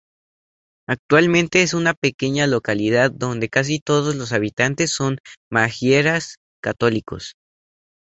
Actualmente es una pequeña localidad donde casi todos los habitantes son magiares católicos.